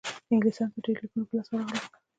انګلیسیانو ته ډېر لیکونه په لاس ورغلل.